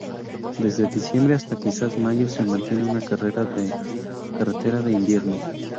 Desde diciembre hasta quizás mayo se mantiene una carretera de invierno.